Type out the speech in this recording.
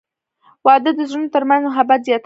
• واده د زړونو ترمنځ محبت زیاتوي.